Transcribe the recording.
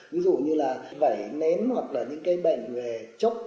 ví dụ như là vẩy nén hoặc là những cái bệnh về chốc